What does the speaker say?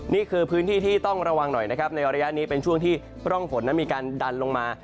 นี่คือพื้นที่ที่ต้องระวังหน่อยนะครับในระยะนี้เป็นช่วงที่ร่องฝนนั้นมีการดันลงมา